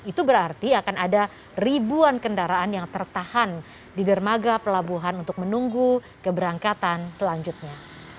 itu berarti akan ada ribuan kendaraan yang tertahan di dermaga pelabuhan untuk menunggu keberangkatan selanjutnya